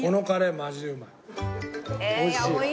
おいしい。